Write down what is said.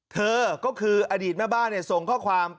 เธอก็คืออดีตแม่บ้านส่งข้อความ